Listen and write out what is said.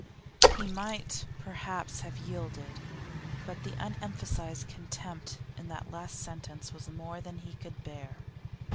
He might perhaps have yielded, but the unemphasised contempt in that last sentence was more than he could bear.